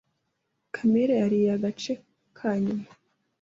Kamire yariye agace ka nyuma.